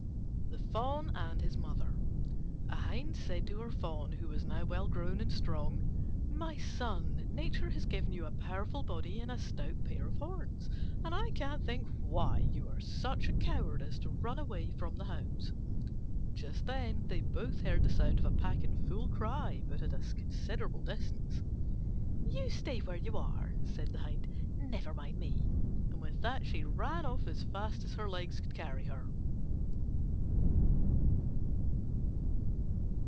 THE FAWN AND HIS MOTHER A Hind said to her Fawn, who was now well grown and strong, "My son, Nature has given you a powerful body and a stout pair of horns, and I can't think why you are such a coward as to run away from the hounds." Just then they both heard the sound of a pack in full cry, but at a considerable distance. "You stay where you are," said the Hind; "never mind me": and with that she ran off as fast as her legs could carry her.